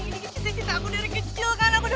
bu devi selamat ya